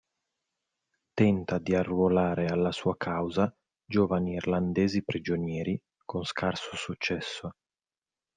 Tenta di arruolare alla sua causa giovani irlandesi prigionieri, con scarso successo.